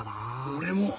俺も。